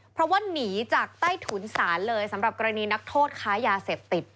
เพราะว่าหนีจากใต้ถุนศาลเลยสำหรับกรณีนักโทษค้ายาเสพติด